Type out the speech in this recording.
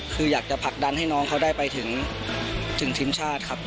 คืออยากจะผลักดันให้น้องเขาได้ไปถึงทีมชาติครับ